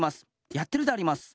やってるであります。